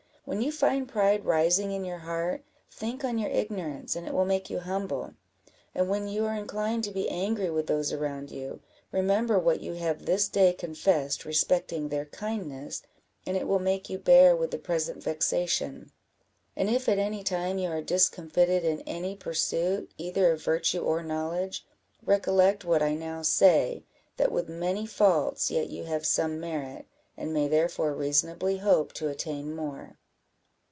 When you find pride rising in your heart, think on your ignorance, and it will make you humble; and when you are inclined to be angry with those around you, remember what you have this day confessed respecting their kindness, and it will make you bear with the present vexation; and if at any time you are discomfited in any pursuit, either of virtue or knowledge, recollect what I now say, that, with many faults, yet you have some merit, and may therefore reasonably hope to attain more."